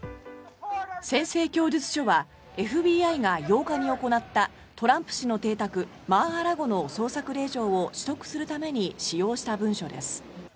宣誓供述書はＦＢＩが８日に行ったトランプ氏の邸宅マー・ア・ラゴの捜索令状を取得するために使用した文書です。